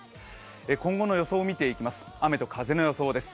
今後の予想を見ていきます、雨と風の予想です。